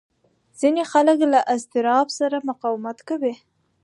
ځینې خلک له اضطراب سره مقاومت کوي.